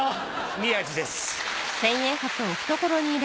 宮治です。